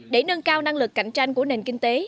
để nâng cao năng lực cạnh tranh của nền kinh tế